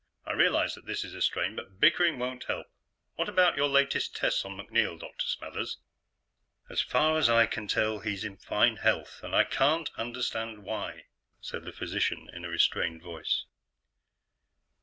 "I realize that this is a strain, but bickering won't help. What about your latest tests on MacNeil, Dr. Smathers?" "As far as I can tell, he's in fine health. And I can't understand why," said the physician in a restrained voice.